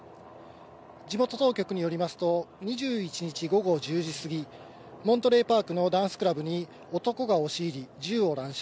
地元当局によりますと、２１日午後１０時すぎ、モントレーパークのダンスクラブに男が押し入り、銃を乱射。